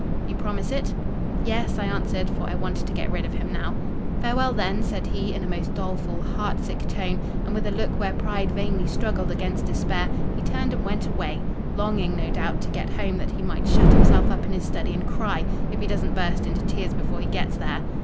"'You promise it?' "'Yes,' I answered; for I wanted to get rid of him now. "'Farewell, then!' said he, in a most doleful, heart sick tone; and with a look where pride vainly struggled against despair, he turned and went away: longing, no doubt, to get home, that he might shut himself up in his study and cry—if he doesn't burst into tears before he gets there."